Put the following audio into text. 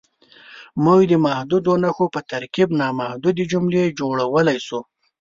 موږ د محدودو نښو په ترکیب نامحدودې جملې جوړولی شو.